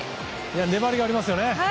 粘りがありますよね。